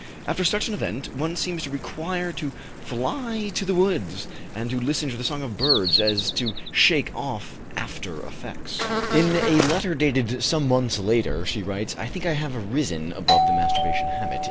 After such an event, one seems to require to fly to the woods, and to listen to the song of the birds, so as to shake off after effects." In a letter dated some months later, she writes: "I think I have risen above the masturbation habit."